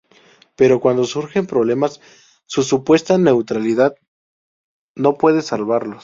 Pero cuando surgen problemas, su supuesta neutralidad no puede salvarlos.